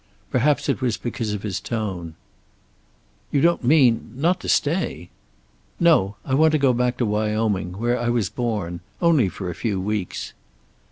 Perhaps it was because of his tone. "You don't mean not to stay?" "No. I want to go back to Wyoming. Where I was born. Only for a few weeks."